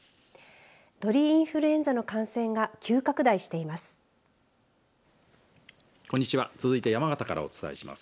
鳥インフルエンザの感染が急拡大しています。